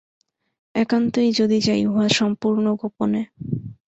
একান্তই যদি যাই, উহা সম্পূর্ণ গোপনে।